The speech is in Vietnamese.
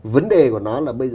vấn đề của nó là bất kỳ gì